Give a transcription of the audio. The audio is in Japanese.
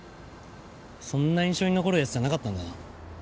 そんな印象に残る奴じゃなかったんだな。